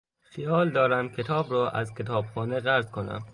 خیال دارم کتاب را از کتابخانه قرض کنم.